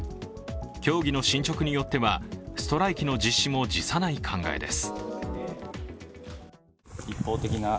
協議の進捗によってはストライキの実施も辞さない考えです。